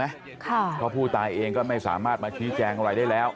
เพราะผู้ตายเองก็ไม่สามารถมาชี้แจงอะไรได้แล้ว